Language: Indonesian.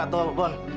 harus juga tolong